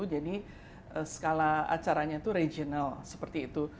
jadi skala acaranya itu regional seperti itu